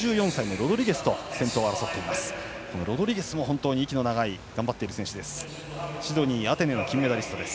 ロドリゲスも息の長い頑張っている選手です。